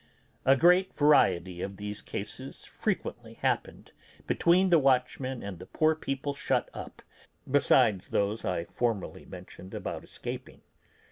A great variety of these cases frequently happened between the watchmen and the poor people shut up, besides those I formerly mentioned about escaping.